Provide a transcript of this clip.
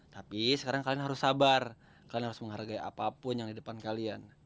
tapi sekarang kalian harus sabar kalian harus menghargai apapun yang di depan kalian